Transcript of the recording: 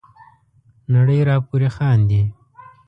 نړۍ را پوري خاندي.